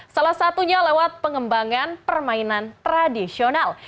salah satunya lewat pengembangan permainan tradisional